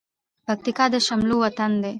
پکتيا د شملو وطن ده